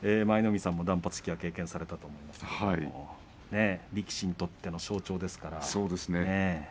舞の海さんも断髪式は経験されたと思いますが力士にとっては象徴ですから。